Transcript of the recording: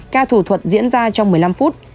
ca thủ thuật diễn ra trong một mươi năm phút